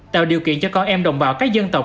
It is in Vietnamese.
tạo điều kiện cho con em đồng bào các dân tộc